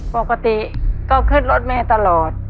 ปกติก็ขึ้นรถแม่ตลอด